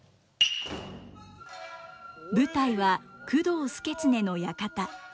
舞台は工藤祐経の館。